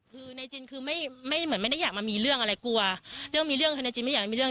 คือนายจินคือไม่ไม่เหมือนไม่ได้อยากมามีเรื่องอะไรกลัวเรื่องมีเรื่องธนายจินไม่อยากมีเรื่อง